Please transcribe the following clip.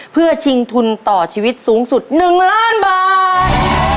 เพื่อชิงทุนต่อชีวิตสูงสุด๑ล้านบาท